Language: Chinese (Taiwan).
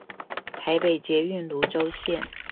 台北捷運蘆洲線